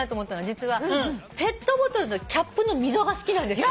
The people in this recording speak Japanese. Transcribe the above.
実はペットボトルのキャップの溝が好きなんですよ。